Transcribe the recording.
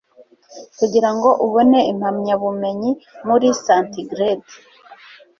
Kugirango ubone impamyabumenyi muri centigrade